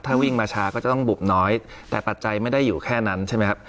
ถ้าวิ่งมาช้าก็จะต้องบุบน้อยแต่ปัจจัยไม่ได้อยู่แค่นั้นใช่ไหมครับ